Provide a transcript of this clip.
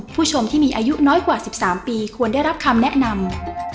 ผู้ชมที่มีอายุน้อยกว่า๑๓ปีควรได้รับคำแนะนำ